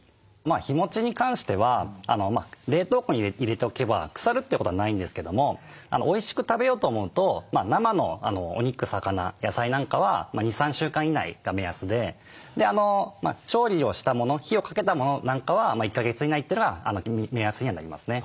日もちに関しては冷凍庫に入れておけば腐るということはないんですけどもおいしく食べようと思うと生のお肉魚野菜なんかは２３週間以内が目安で調理をしたもの火をかけたものなんかは１か月以内というのが目安にはなりますね。